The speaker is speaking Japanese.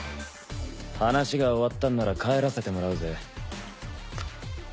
話が終わったんなら帰らせてもらうぜ。